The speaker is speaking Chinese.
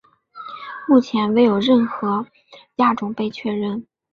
目前未有任何亚种被确认。